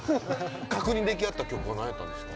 確認でき合った曲は何だったんですか？